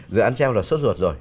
dự án treo đã xuất ruột rồi